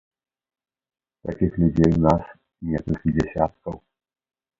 Такіх людзей у нас некалькі дзясяткаў.